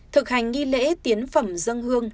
thực hành nghi lễ tiến phẩm dân hương